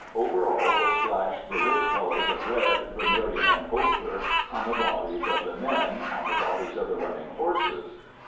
Over all was splashed the rich colors of red, vermilion and ochre, on the bodies of the men, on the bodies of the running horses.